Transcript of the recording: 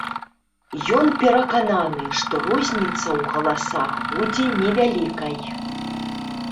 Ён перакананы, што розніца ў галасах будзе невялікай.